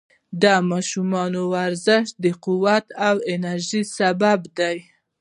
د ماشومانو ورزش د قوت او انرژۍ سبب دی.